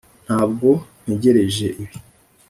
ntabwo ntegereje ibi.